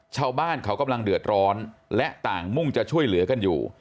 ชาวบ้านเขากำลังเดือดร้อนและต่างมุ่งจะช่วยเหลือกันอยู่